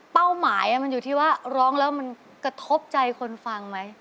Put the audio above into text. หมายมันอยู่ที่ว่าร้องแล้วมันกระทบใจคนฟังไหม